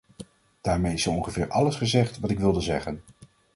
Daarmee is zo ongeveer alles gezegd wat ik wilde zeggen.